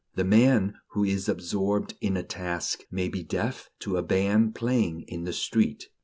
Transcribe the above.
The man who is absorbed in a task may be deaf to a band playing in the street.